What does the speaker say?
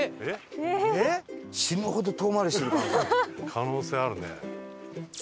可能性あるね。